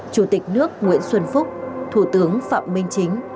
chủ tịch nước nguyễn xuân phúc thủ tướng phạm minh chính